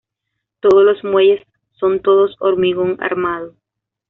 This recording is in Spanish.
Todos los muelles son Todos hormigón armado.